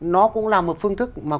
nó cũng là một phương thức mà